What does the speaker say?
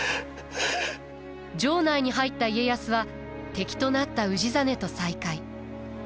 城内に入った家康は敵となった氏真と再会。